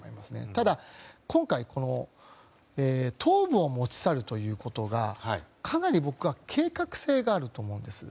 ただ、今回頭部を持ち去るということがかなり僕は計画性があると思うんです。